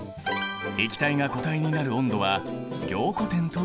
液体が固体になる温度は凝固点という。